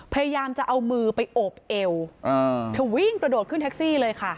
พยายามจะเอามือไปโอบเอวเธอวิ่งกระโดดขึ้นแท็กซี่เลยค่ะ